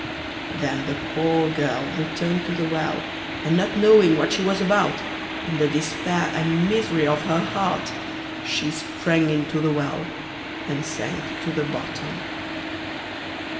Then the poor girl returned to the well, and not knowing what she was about, in the despair and misery of her heart she sprang into the well and sank to the bottom.